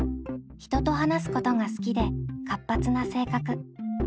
人と話すことが好きで活発な性格。